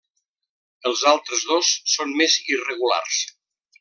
Els altres dos són més irregulars.